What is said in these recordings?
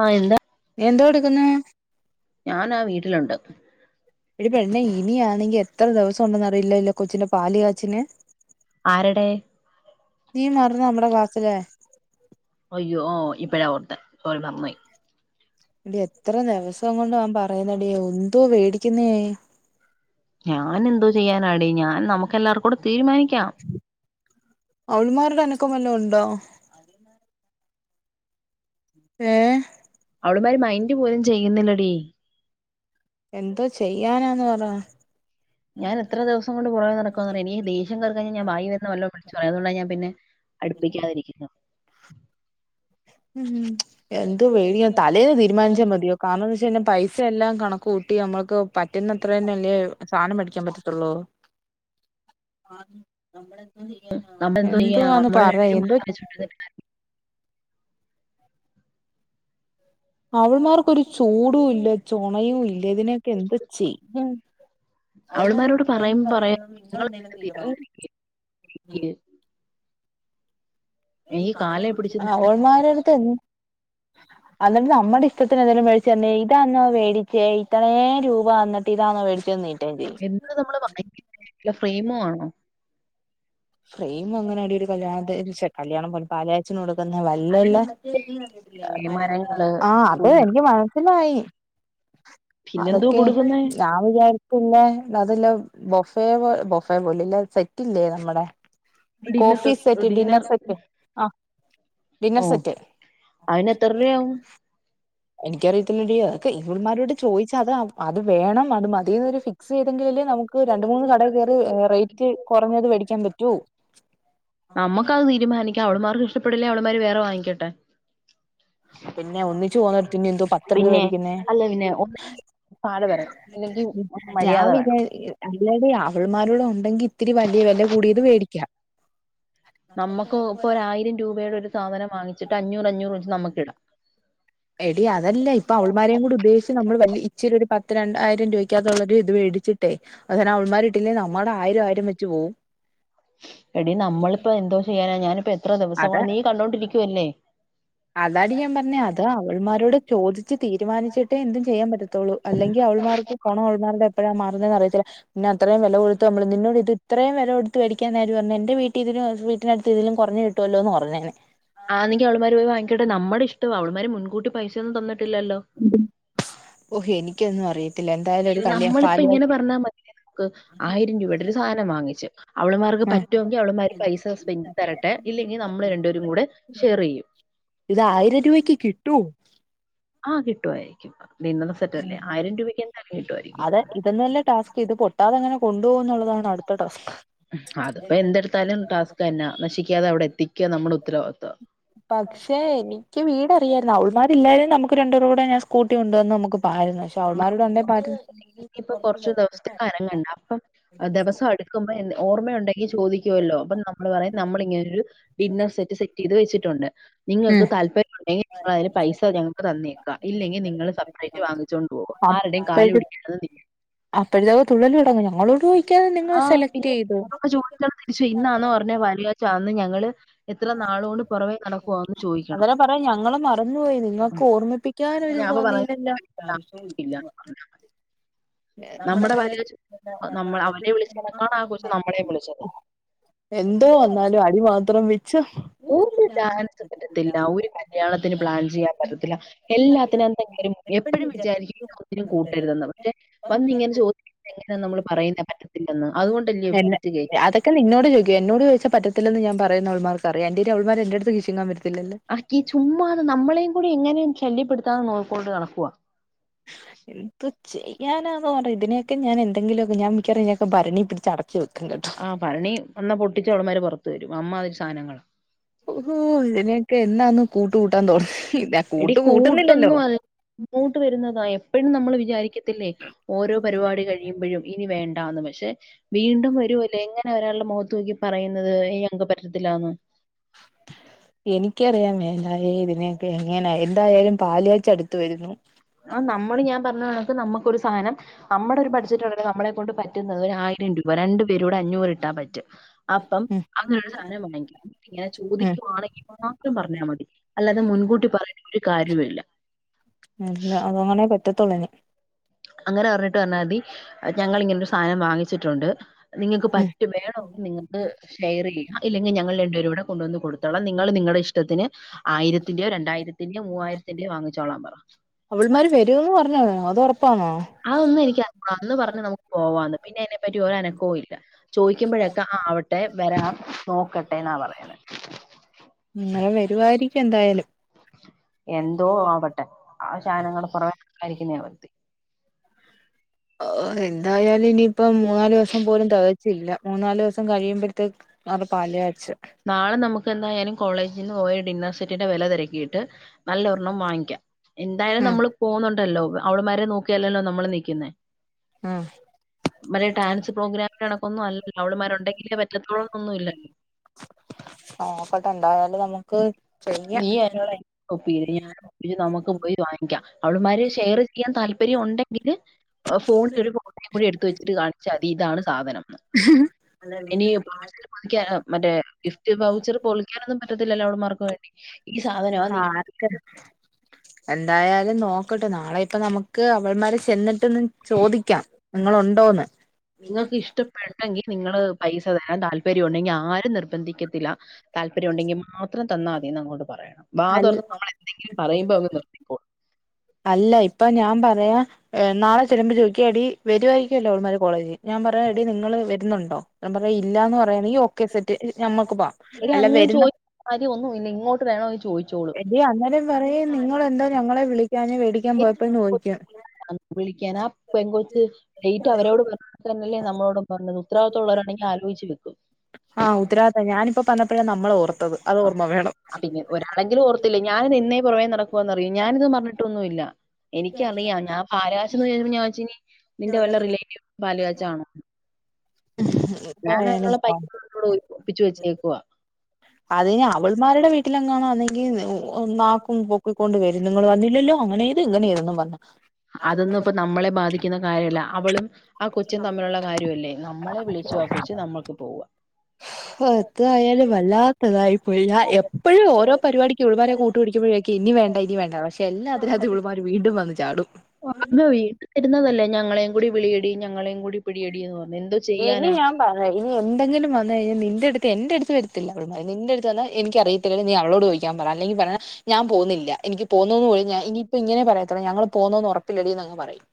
ആഹ് എന്താ നീ എന്തോ എടുക്കുന്നു ഞൻ ആ വീട്ടിലുണ്ട് എടി പെണെ ഇനിയ ആണെങ്കി എത്ര ദിവസംണ്ടെന്ന് അറിയില്ലോ കൊച്ചി പാല കാച്ചന് ആരടെ നീ മറന്ന് നമ്മടെ ക്ലാസ്സ് ലേ അയ്യോ ഓ ഇപ്പഴാ ഓർത്തെ ഒരു [unintelligible] എടി എത്ര ദിവസം കൊണ്ട് ഞാൻ പറയുന്ന എടി എന്തോ വേടിക്കുന്നേ ഞാൻ എന്തോ ചെയ്യാനാടി ഞാൻ നമുക്ക് എല്ലാവർക്കും കൂടെ തീരുമാനിക്കാം അവൻ മാരുടെ അനക്കം വല്ലാം ഉണ്ടോ ഏഹ് അവളുമാര് മൈന്റ് പോലും ചെയ്യുന്നില്ലടീ എന്തോ ചെയ്യാനാന്ന് പറ ഞാൻ ഇത്ര ദിവസം കൊണ്ട് പുറകേ നടക്കാന്ന് അറിയോ എനിക് ദേഷ്യം ദേഷ്യം കേറി കഴിഞ്ഞൽ ഞാൻ വായിവരുന്ന വല്ലോം വിളിച്ച് പറയും അതുകൊണ്ട ഞാൻ പിന്നെ അടുപ്പി ക്കാതിരിക്കുന്നേ ഉഹ് എന്ത് വിധിയാ തലേന്ന് തീരുമാനിച്ചാൽ മതിയോ കാരണമെന്നുവെച്ചു കഴിഞ്ഞ പൈസ എല്ലാം കണക്ക് കൂട്ടി നമ്മുക്ക് പറ്റുന്നത്ര തന്നെ അല്ലേ സാധനം മേടിക്കാൻ പറ്റത്തുള്ളൂ നമ്മളെന്തോ ചെയ്യാനാ എന്തുവാന്ന് പറ എന്തോ അവര് അവൾമാർക്കൊരു മാത്രം വെച്ചോണ്ടിരുന്നിട്ട് അവള്മാർക്കൊരു ചൂട് ഇല്ല ചൂടും ചോണയും ഇല്ല ഇതിനെയൊക്കെ എന്താ ചെയ്യ അവൾമാരോട് അവള്മാരോട് പറയും പറയുമ്പോ പറയാ പറയുന്നത് നിങ്ങൾ നിങ്ങള് എന്തേങ്കിലും തന്നെ തീരുമാനിക്ക് എനിക്ക് കാലേ പിടിച്ച് അല്ലെങ്കി അവാൾമാരുടുത്ത് അന്നിട്ട് നമ്മുടെ നമ്മള് ഇഷ്ടത്തിന് [unintelligible] ഇതാന്നോവേടിച്ചേ ഇത്രയും രൂപ തന്നിട്ട് ഇതാണോ മേടിചേന്ന് നീട്ടേ ചെയ്യും എന്ത് നമ്മൾ വാങ്ങിക്കും ഫ്രെയിം ആണോ ഫ്രെയിം എങ്ങനെ ആടി ഒരു കല്യാണ ചേ കല്യാണം പോലു പാല് കാച് ച്ചിന് കൊടുക്കുന്നേ വല്ലല്ല മരങ്ങള് ആഹ് അതേ പുല്ല്, എനിക്ക് മനസ്സിലായി പിന്നെന്തോ അതൊക്കെ കൊടുക്കുന്നേ വിചാരിക്കല്ലേ അതല്ലേ ബൊഫേ പോലെ ബൊഫേ പോലല്ലേ ഇല്ല സെറ്റ് ഇല്ലേ നമ്മുടെ dinner coffee test set dinner set ആഹ് ഡിന്നർ ഓഹ് സെറ്റ് അയിന് എത്രരുയാവും എനിക്കറിയത്തില്ലെടി ഇവൾമാരോട് ചോദിച്ച അത് അത് വേണം അത് മതിന്നൊരു ഫിക് ഫിക്സ് ചെയ്തെങ്കിലല്ലേ നമുക്ക് രണ്ട് മൂന്ന് കടേ കയറി റേറ്റ് കുറഞ്ഞത് മേടിക്കാൻ പറ്റു നമ്മുക്കത് തീരുമാനിക്ക അവള്മാർക്ക് ഇഷ്ട്ടപേടില്ലേ അവള്മാര് വേറെ വാങ്ങിക്കട്ടെ പിന്നെ ഒന്നിച്ചു പോന്നടുത്ത് ഇനി എന്തോ പത്തെ [unintelligible] പിന്നെ മേടിക്കുന്നെ അല്ല പിന്നെ ഒന്ന് താഴെ വരണം ഇല്ലെങ്കിൽ ഒന്ന് ഞാൻ മര്യാദ വേണം വിചാരിക്കും അല്ലടി അവൾമാരുടെ ഉണ്ടെങ്കിൽ ഇത്തിരി വലിയ വില കൂടിയത് മേടിക്കാം നമുക്ക് ഇപ്പൊ ഒരായിരം രൂപയുടെ ഒരു സാധനം വാങ്ങിച്ചിട്ട് അഞ്ഞൂറ് അഞ്ഞൂറ് വച്ച് നമുക്കിടാം എടി അതല്ല ഇപ്പ അവൾമാരേയും കൂടി ഉദ്ദേശിച്ച നമ്മള് വലിയ ഇച്ചിരിതു പത്ത് രണ്ടായിരം രൂപക്കകത്തുള്ളള്ളത് ഇത് മേടിച്ചിട്ടേ അത അവൾ മാരൂടുത്തു പിന്നെ നമ്മടെ ആയിരം ആയിരം വെച്ച് പോവും എടി നമ്മളിപ്പ എന്തോ ചെയ്യാനാ ഞാനിപ്പോ എത്ര ദിവസം അത് കൊണ്ട് നീ കണ്ടോണ്ടിരിക്കുവല്ലേ അതാടി ഞാൻ പറഞ്ഞ അത് അവളുമാരോട് ചോദിച്ച് തീരുമാനിച്ചിട്ടേ എന്തും ചെയ്യാൻ പറ്റത്തുള്ളൂ അല്ലെങ്കിൽ അവള് മാർക്ക് അവളുമാരുടെ എപ്പഴാ മാറുന്നെന്ന് അറിയത്തില്ല പിന്നെ അത്രയും വില കൊടുത്ത് നമ്മള് നിന്നോട് ഇത് ഇത്രയും വില കൊടുത്ത് മേടിക്കാനാരുപറഞ്ഞു പറഞ്ഞു എന്റെ വീട്ടി ഇതില വീട്ടിനടുത്ത് ഇതിലും കുറഞ്ഞു കിട്ടുല്ലോ എന്ന് പറഞ്ഞേന് ആന്നെങ്കിൽ അവൾമാര് പോയി വാങ്ങിക്കട്ടെ നമ്മുടെഷ്ടവാ അവളുമാരു മുൻകൂട്ടി പൈസൊന്നും തന്നിട്ടില്ലല്ലോ ഓഹ് എനിക്കൊന്നും അറിയത്തില്ല എന്തായാലും ഒരു ഇത് കല്യാ നമ്മളിപ്പ പാല് ഇങ്ങനെ പറഞ്ഞാ മതിയ ക്ക് ആയിരം രൂപയുടെ ഒരു സാധനം വാങ്ങിച്ച് അവള്മാർക്ക് ആഹ് പറ്റുങ്കിൽ അവള്മാര് പൈസ സ്പെൻ തരട്ടെ ഇല്ലെങ്കിൽ നമ്മള് രണ്ടേരും കൂടെ ഷെയർ ചെയ്യും ഇത് ആയിരം രൂപയ്ക്ക് കിട്ടൂ ആഹ് കിട്ടുമായിരിക്കും ഡിന്നർ സെറ്റ് അല്ലേ ഉം. ആയിരം രൂപയ്ക്ക് എന്തായാലും കിട്ടുവാരിക്കും അത് ഇതൊന്നുവല്ല ടാസ്ക് ഇത് പൊ ട്ടാതെങ്ങനെ കൊണ്ടപോവും ന്നുള്ളതാണ് അടുത്ത ടാസ്ക് ഉം ആതിപ്പൊ എന്തെടുത്താലും ടാസ്ക് തന്നാ നശിക്കാതെ അവിടെ എത്തിക്ക നമ്മുടെ ഉത്തരവാദിത്ത പക്ഷെ എനിക്ക് വീട് അറിയാരുന്നു ഉത്തരവാദിത്വം അവൾമാരില്ലരുന്നെ നമുക്ക് രണ്ടൂരുടെ ഞാൻ സ്കൂട്ടി കൊണ്ടുവന്നു നമുക്ക് പോ പാരുന്ന് പക്ഷേ അവളുമാരുടെ ഉണ്ടേ പാ എങ്കിപ്പോ കൊറച്ചു ദിവസത്തേക്കു അനങ്ങണ്ട അപ്പം ദിവസം അടുക്ക് ക്കുമ്പോ ഓർമ്മയുണ്ടെങ്കി ചോദിക്കുവല്ലോ അപ്പൊ നമ്മള് പറയും നമ്മളിങ്ങനൊരു ഡിന്നർ സെറ്റ് സെറ്റ് ചെയ്ത് വെച്ചിട്ടുണ്ട് നിങ്ങൾക്ക് ഉം താല്പര്യം ഉണ്ടെങ്കിൽതിന് പൈസ ഞങ്ങൾക്ക് തന്നേക്കാം ഇല്ലെങ്കിൽ നിങ്ങൾ സെപ്പറേറ്റ് വാങ്ങിച്ചുകൊണ്ട് പോകാം [unintelligible] അപ്പഴതുള്ളിൽ തുടങ്ങും ഞങ്ങളോട്ചോയിക്കാതെ നിങ്ങൾ സെലക്ട്യ്തുോ ചോദിക്ക തിരിച്ചു ഇന്നാന്ന് പറഞ്ഞ വരികാച്ച അന്ന് ഞങ്ങള് എത്ര നാളോണ്ട് പുറകെനടക്കുവന്ന് ചോയിക്കണം പറയാം ഞങ്ങൾ മറന്നുപോയി നിങ്ങക്ക് ഓർമ്മിപ്പിക്കാനൊരു ഞാൻ അപ്പൊ തോന്നി പറഞ്ഞില്ല ല്ലല്ലോ ഇല്ല എന്ന് പറഞ്ഞു. നമ്മുടെ പാല്കാച്ച് നമ്മള് അവരെ വിളിച്ചതക്കാണ് ആ കൊച്ച് നമ്മള വിളിച്ചത് എന്തോ വന്നാലും അടി മാത്രം വെച്ച് ഒരു ഡാൻസ് പറ്റത്തില്ല ഒരു കല്യാണത്തിന് പ്ലാൻ ചെയ്യാൻ പറ്റത്തില്ല എല്ലാത്തിനും എന്തെക്കിലും എപ്പോഴും വിചാരിക്കും ഒന്നി നും കൂട്ടരുത് ന്ന് റ്റെ പെന്നിങ്ങനെ ചോദിക്ക നമ്മള് പറയുന്ന പറ്റത്തില്ലെന്ന് അതുകൊണ്ടല്ലേ.. കെ നിന്നോട് ചോദിക്കു എന്നോട് ചോദിച്ച പറ്റിത്തില്ലെന്ന് ഞാൻപറയും അവൾ മാർക്ക് അറിയാം ഒരു അവൾമാർ എന്റെ അടുത് [unintelligible] ആഹ്കി ചുമ്മാതെ നമ്മളെയും കൂടി എങ്ങനെയും ശല്യപ്പെടുത്താന്ന് നോക്കോണ്ട് നടക്കുവവാ എന്ത് ചെയ്യാനാെന്ന് പറി ഇതിനെയൊക്കെ ഞാൻ എന്തെങ്കിലുക്കെ ഞാൻ മിക്കാറു ഇപ്പം ഭരണി പിടിച്ചടച്ചു വെക്കും കേട്ടോ ആ ഭരണി വന്നാ പൊട്ടിച്ച് അവളമാര് പുറത്ത് വരും. അമ്മാതിരി സാധനങ്ങളാ. ഉഹു ഇതി നൊയൊക്കെ എന്നാന്ന് കൂട്ട് കൂട്ടാൻ തോന്നുന്ന കൂട്ട് കൂട്ടുന്നില്ലല്ലോ ഇ ങ്ങോട്ട് വരുന്നതാ എപ്പോഴും നമ്മൾ വിചാരിക്കത്തില്ലേ ഓരോ പരിപാടി കഴി ഴിയുമ്പോഴും ഇനി വേണ്ടന്ന് പക്ഷെ വീണ്ടും വരുലൈ എങ്ങന നെ ഒരാൾടെ മോത്ത് നോക്കി പറയുന്നത് ഈ അംഗപറ്റത്തിലാന്ന് എനിക്കറിയമെ എ തിനെയൊക്കെ എങ്ങനെ എന്തായാലും പാല്കാച്ച് അടുത്ത് വരുന്നു ആഹ് നമ്മള് ഞാൻ പറഞ്ഞ കണക്ക് നമുക്കൊരു സാധനം നമ്മുടെ ഒരു ബഡ്ജറ്റ് നമ്മളെ കൊണ്ട് പറ്റുന്നത് ഒരാആയിരം രൂപ രണ്ടു പേരൂടെ അഞ്ഞൂറ് ഇട്ടാൻപറ്റും അപ്പം ഉം അന സാധനം വേണങ്കി ഇങ്ങനെ ചോദിക്കുവാണെങ്കിൽ മാത്രം പറഞ്ഞാ മതി അല്ലാതെ മുൻകൂട്ടി പറയ ഒരു കാര്യവില്ല അല്ല അത് അങ്ങനെ പറ്റത്തുള്ളനി അങ്ങനെ പറഞ്ഞിട്ട് പറഞ്ഞാൽ മതി ഞങ്ങിള്ളി ങ്ങനെരു സാധനം വാങ്ങിച്ചിട്ടുണ്ട് നിങ്ങക്ക് ഉം പറ്റും വേണോ നിങ്ങ ഹ് ഷെയർ ചെയ്യാം ഇല്ലെങ്കിൽ ഞങ്ങൾ രണ്ട് പേരുടേ കൊണ്ടുവന്ന് കൊടുത്തോളാം നിങ്ങൾ നിങ്ങളുടെ ഇഷ്ടത്തിന് ആയിരത്തിന്റെയോ രണ്ടായിരത്തിന്റെയോ മുവായി രത്തിന്റെ യോ വാങ്ങിച്ചോളാം പറ അവൾമാര് തരോ ന്ന് പറഞ്ഞോ അത് ഉറപ്പാണോ അതൊന്നും എനി അറി ഞ്ഞൂടാഅന്ന് പറഞ്ഞ് നമുക്ക് പോവാന്ന് പിന്ന അ തിനെപ്പറ്റി ഒര അനക്കവും ഇല്ല ചോദിക്കുമ്പോഴൊക്കെ ആവട്ടെ വരാൻ നോക്കട്ടെ എന്നാ പറയ ഉം ഇന്നലെ വരുവാരി എന്തോ ആവട്ടെ സനങ്ങൾ [unintelligible] ഓഹ് എന്തായാലും ഇനിപ്പം മൂന്നാല് ദിവസം പോലും തെകച്ചില്ല മൂന്നാലോസം കഴിയുമ്പോഴത്തേക്ക് അത് പാൽ കാച്ച നാളെ നമുക്ക് എന്തായാലും കോളേജിൽ നിന്ന് പോയ ഡിന്നർ സെറ്റിന്റെ വില തിരക്കിയിട്ട് നല്ല ഒരണ്ണം വങ്ങിക്കാ എന്തായാലും ഉം നമ്മള് പോകുന്നുണ്ടല്ലോ അവള്മാരെ നോക്കിയാലല്ലോ നമ്മള് നിക്കുന്നേ ആഹ് മറ്റേ ഡാൻസ് പ്രോഗ്രാമിൻ കണക്കൊന്നും അല്ല അവള് മാരുണ്ടെങ്കിലേ പറ്റത്തൊള്ളന്നൊന്നുമില്ല നോക്കട്ട എന്തായാലും നമുക്ക് ചെയ്യാം [unintelligible] നമുക്കും പോയി വാങ്ങിക്കാം അവളുമാര് ഷെയർ ചെയ്യാൻ താല്പര്യം ഉണ്ടെങ്കില് ഫോണില് ഒരു ഫോട്ടോയും കൂടി എടുത്ത് വെച്ചിട്ട് കാണിച്ചാമതി ഇതാണ് സാധനംന്ന് ! ! പിക്ക മറ്റേ ഗിഫ്റ്റ് പൗച്ചർ പൊളിക്കാനൊന്നും പറ്റത്തില്ലോഅവള് മാർക്ക് വേണ്ടി ഈ സാധനമാ നിങ്ങ ആഹ് എന്തായാലും നോക്കട്ടെ നാളെ ഇപ്പ നമുക്ക് അവൾമാരെ ചെന്നിട്ട്ന്ന് ചോദിക്കാം നിങ്ങളുണ്ടോന്ന് കേൾക്കാൻ താല്പര്യം ഉണ്ടെങ്കിൽ ആരും നിർബന്ധിക്കത്തില്ല താല്പര്യം ഉണ്ടെങ്കി മാത്രം തന്നാമതി ന്നങ്ങോട്ട് പറയണം വാ അൽ തുറന്ന് നമ്മൾ എന്തെങ്കിലും പറയുമ്പോ അങ്ങ് നിർ അല്ല ഇപ്പൊ ഞാൻ പറയാ നാളെ ചെല്ലുമ്പോ ചോദിക്കും എടി വരുവായിരിക്കുമല്ലോ അവള്മാര് കോളേജി ഞാൻ പറയും എടി നിങ്ങള് വരുന്നുണ്ടോ ഞാൻപറയാ ഇല്ലാന്ന് പറയാണെങ്കി ഓക്കെ സെറ്റ് ഞമ്മക്ക് പോവാ അല്ല വരുന്ന [unintelligible] ഒന്നും ഇല്ല ഇങ്ങോട്ട് വേണോന്ന് ചോദിച്ചോളും ടി അന്നേരം പറയും നിങ്ങെന്താ ഞങ്ങളെ വിളിക്കാഞ്ഞെവേടിക്കാൻ പോയപ്പോ ചോദിക്കും വിളിക്കാനാ പെൻകൊച്ച് ഡേറ്റ് അവരോട് പറഞ്ഞ തന്നെയല്ലേ നമ്മളോടും പറഞ്ഞത് ഉത്തവാദിത്തം ഉള്ളവരാണെങ്കി ആലോചിചു വെക്കും ആഹ് ഉത്തരാവാദിത്തം ഞാനിപ്പ പറഞ്ഞപ്പോഴ നമ്മള് ഓർത്തത് അത് ഓർമ്മ വേണം ആഹ് പിന്നെ ഒരാളെങ്കിലും ഓർത്തില്ലേ ഞാനിത് എന്നെ പുറമേ നടക്കുവാന്ന് അറിയൊ ഞാനിത് മറന്നിട്ടൊന്നും ഇല്ല എനിക്കറിയാം ഞാൻ പാല്കാച്ച് [unintelligible] ഞാൻ വിചാരിച്ച് ഇനി നിന്റെ വല്ല റിലേറ്റീവ് പാല് കാച്ചാണോ ഞാൻ എന്തായാലും അതിനുള്ള പൈസക്കൂടെ ഒപ്പിച്ച് വെച്ചേക്കുവ അതിന് അവൾമാരുടെ വീട്ടിലെങ്ങാണം ആന്നെങ്കിൽ ! ! ! ! ! ! ! ! ! ! ! ! ! ! ! ! ! ! ! ! ! ! ! ! ! ! ! അതൊന്നും ഇപ്പ നമ്മളെ ബാധിക്കുന്ന കാര്യല്ല അവളും ആ കൊച്ചും തമ്മിലുള്ള കാര്യമല്ലേ നമ്മളെ വിളിച്ചു ആകൊച്ച് നമ്മൾക്ക് പോവുക അത് എന്തുവായാലും വല്ലാത്തിതായി എല്ല എപ്പോഴും ഓരോ പരിപാടിക്കും ഇവളുമാരെ കൂട്ടു പിടിക്കുമ്പഴേക്കും ഇനി വേണ്ട ഇനി വേണ്ട പക്ഷെ എല്ലാ ഇതിനകത്തും ഇവള് മാര് വീണ്ടും വന്ന് ചാടും [unintelligible] രുന്നതല്ലേ ഞങ്ങളെയും കൂടി വിളിയടി ഞങ്ങളേയും കൂടി പിടിയെടിന്ന് പറഞ്ഞ് എന്ത് ഇനി ഞാൻ പറഞ്ഞ് ഇനി എന്തെങ്കിലും വന്നു കഴിഞ്ഞാ നിന്റെ അടുത്ത് എന്റെ അടുത്ത് വരത്തില്ല അവള് മാര് നിന്റെ അടുത്ത് സ്ഥലംഎനിക്കറിയത്തില്ല നീ അവളോട് ചോദിക്കാൻ പറയാ അല്ലെങ്കി പറയണം ഞാൻ പോന്നില്ല എനിക്ക് പോന്നുന്ന് പോലും ഞാൻ ഇനിയിപ്പൊ ഇങ്ങനെ പറയത്തൊള്ള് ഞങ്ങള് പോന്നോന്ന് ഉറപ്പില്ലടിന്നങ്ങ് പറയും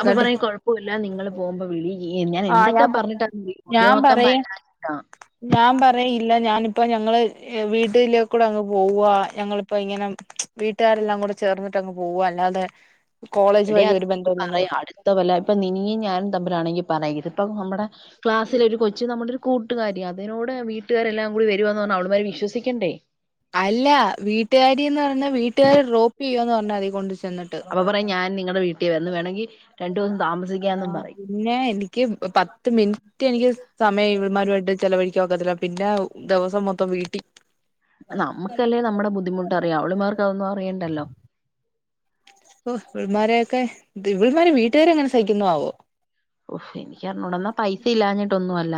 അപ്പൊ പറയും എന്നിട്ട് കുഴപ്പമില്ല നിങ്ങള് പോകുമ്പോ വിളി ഞാൻ എന്തൊക്കെ പറഞ്ഞിട്ട [unintelligible] നോക്കാൻ പറ്റാത്ത ഞാൻ പറയും ഇല്ല ഞാനിപ്പോ ഞങ്ങള് വീട്ടില കൂടെ അങ്ങ് പോവാ ഞങ്ങളിപ്പോ ഇങ്ങനെ വീട്ടുകാരെല്ലാം കൂടെ ചേർന്നിട്ടങ്ങ് പോവ അല്ലാതെ കോളേജ് വഴി ഒരു ബന്ധം ഇല്ലെന്നങ്ങ് മല്ല ഇപ്പൊ നിയും ഞാനും തമ്മിലാണെങ്കി പറയും ഇത് ഇപ്പ നമ്മുടെ ക്ലാസ്സില ഒരു കൊച്ച് നമ്മട ഒരു കൂട്ടുകാരിയ അതിനോട് വീട്ടുകാരെല്ലാം കൂടി വരുമെന്ന് പറഞ്ഞാ അവള്മാര് വിശ്വസിക്കേണ്ടേ അല്ല വീട്ടുകാരിന്ന് പറഞ്ഞാ വീട്ടുകാര് ഡ്രോപ്പ് ചെയ്യുവാന്ന് പറഞ്ഞാ മതി കൊണ്ട് ചെന്നിട്ട് അപ്പൊ പറയും ഞാൻ നിങ്ങടെ വീട്ടി വന്ന് വേണെങ്കി രണ്ടു ദിവസം താമസിക്കാന്നും ആഹ് പറയും പിന്നെ എനിക്ക് പത്ത് മിനിറ്റ് എനിക്ക് സമയം ഇവള്മാരുവായിട്ട് ചെലവഴിക്കാൻ ഒക്കത്തില്ല പിന്ന ദിവസം മൊത്തം വീട്ടിൽ നമുക്കല്ലേ നമ്മുടെ ബുദ്ധിമുട്ട് അറിയാ അവള്മാർക്ക് അതൊന്നും അറിയണ്ടല്ലോ ഓ ഇവൾമാരെയൊക്കെ ദിവിൾമാരെ വീട്ടുകാര് എങ്ങനെ സഹിക്കുന്നൊ ആവോ ഓഎനിക്കറിഞ്ഞൂട എന്നാ പൈസ ഇല്ലാഞ്ഞിട്ടൊന്നുമല്ല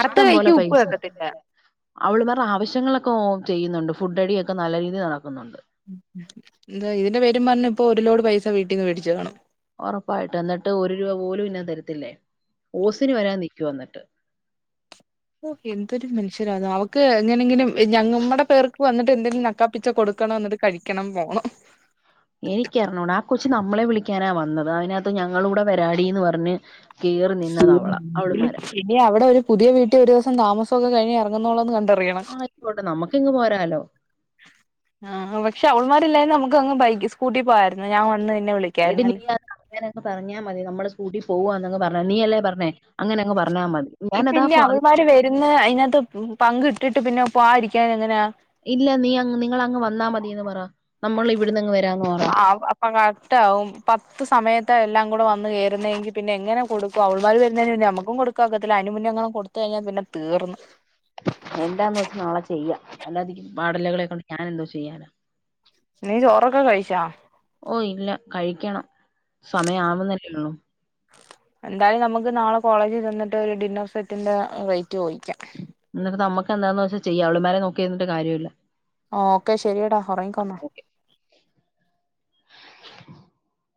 അറുത്ത കൈക്ക് പോലെ ഉപ്പ് പൈസ വെക്കത്തില്ല അവള് മാർട ആവശ്യങ്ങളൊക്കെ ചെയ്യുന്നുണ്ട് ഫുഡ്അടിയൊക്കെ നല്ല രീതിയിൽ നടക്കുന്നുണ്ട് എന്താ ഇതിന്റെ പേരും പറഞ്ഞ് ഇപ്പൊ ഒരു ലോട് പൈസ വീട്ടിന്ന് മേടിച്ചു കാണും ഉറപ്പായിട്ട് എന്നിട്ട് ഒരു രൂപ പോലും ഇന്നാൻ തരത്തില്ലേ ഓസിന് വരാൻ നിൽക്കുവാ എന്നിട്ട് ഓ എന്തൊരു മനഷ്യരാ അവക്ക് എങ്ങനെങ്കിലും ഞമ്മടെ പേർക്ക് വന്നിട്ട് എന്തെങ്കിലും നക്കാപ്പിച്ച കൊടുക്ക നക്കണം ന്നിട്ട് കഴിക്കണം പോണം എനക്ക്റഞ്ഞുടാ ആ കൊച്ച് നമ്മളെ വിളിക്കാനാ വന്നത് അതിനകത്ത് ഞങ്ങള കൂടെ വരാടിന്ന് പറഞ്ഞ് കയറി നിന്നത അവള അവൾമാരാ പിനെ അവിടെ ഒരു പുതിയ വീട്ടിൽ ഒരു ദിവസം താമസം ഒക്കെ കഴിഞ്ഞ് ഇറങ്ങുന്നോള്ളോന്ന് കണ്ടറിയണം നമുക്കിങ്ങ് പോരാലോ ആ പക്ഷ അവൾമാരില്ലായരുന്നു നമുക്ക്ങ് ബൈക്ക് സ്കൂട്ടി പോയിയിരുന്നു ഞാൻ വന്ന് പിന്നെ വിളിക്കായിുന്നല്ലേ ങ്ങനങ് പറഞ്ഞാ മതി നമ്മള് കൂട്ടി പോകവാന്നങ് പറഞ്ഞ നീ അല്ലേ പറഞ്ഞെ അങ്ങനെ അങ്ങ് പറഞ്ഞാൽ മതി ഞാാനതാ പറ ഇന്ന് അതിനകത്ത് പങ്ക് ഇട്ടിട്ട് പിന്നെ പോഇരിക്കൻ എങ്ങനാ ഇല്ല നീ അങ് നിങ്ങൾ അങ്ങ് വന്നാ മതിയെന്ന് പറാ നമ്മൾ ഇവിട്ന്നങ്ങ് വരാന്ന് പറാ കറക്റ്റാവും പത്ത് സമയത്താ എല്ലാം കൂടെ വന്ന് കേറുന്നേങ്കി പിന്നെ എങ്ങനെ കൊടുക്കും അവൾമാർ വരുന്നതിന് പിന്നെ ന മ്മക്കും കൊടുക്കാ ഒക്കത്തില്ല അയിനുമുന്നെങ്ങാനും കൊട് യിഞ്ഞ പിന്നെ തീർ എന്താന്ന് വെച്ച നാളെ ചെയ്യാ അല്ലാതിരി വാടലകളെ കൊണ്ട് ഞാൻ എന്തോ ചെയ്യാനാ നീ ചോറൊക്കെ കഴിച്ചാ ഓ ഇല്ല കഴിക്കണം സമയം ആവുന്നല്ലേള്ളൂ എന്തായാലും നമ്മുക്ക് നാളെ കോളേജിൽ ചെന്നിട്ട് ഒരു ഡിന്നർ സെറ്റിന്റെ റേറ്റ് ചോയ്യിക്ക ന്നിട്ട് നമ്മക്കെന്താന്ന് വെച്ചാ ചെയ്യ അവള്മാരെ നോക്കിയിര്ന്ന്ട്ട് കാര്യമില്ല ഓക്കെ ശരിയെടാ ഒറങ്ങിക്കോന്നാ ഓക്കെ [unintelligible]